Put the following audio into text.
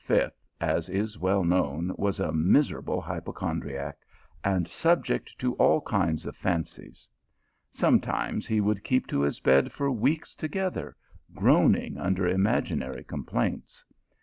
as is well known, was a miserable hypochon driac, and subject to all kinds of fancies. Some times he would keep to his bed for weeks together, groaning under imaginary complaints.